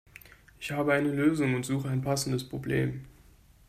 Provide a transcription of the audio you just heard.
Ich habe eine Lösung und suche ein passendes Problem.